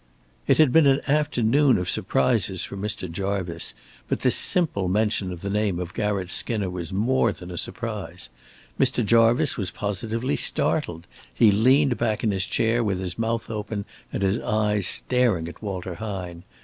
It had been an afternoon of surprises for Mr. Jarvice, but this simple mention of the name of Garratt Skinner was more than a surprise. Mr. Jarvice was positively startled. He leaned back in his chair with his mouth open and his eyes staring at Walter Hine.